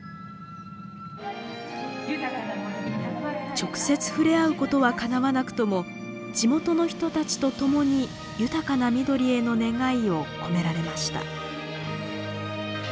直接ふれあうことはかなわなくとも地元の人たちと共に豊かな緑への願いを込められました。